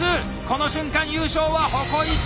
この瞬間優勝は鉾井